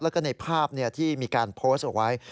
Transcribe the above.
แล้วก็ในภาพที่มีการโพสต์เอาไว้